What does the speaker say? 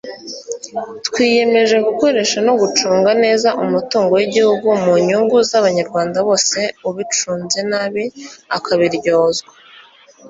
twiyemeje gukoresha no gucunga neza umutungo w'igihugu mu nyungu z'abanyarwanda bose ubicunze nabi akabiryozwa